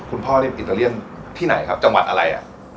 คุณพ่อนี่อิตาเลียนที่ไหนครับจังหวัดอะไรอ่ะ